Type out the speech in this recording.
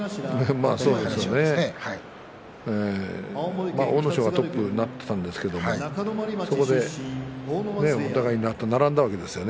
まあ阿武咲がトップだったんですけれどもお互いに並んだわけですよね。